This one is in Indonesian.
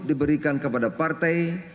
diberikan kepada partai